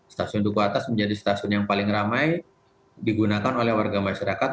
stasiun duku atas menjadi stasiun yang paling ramai digunakan oleh warga masyarakat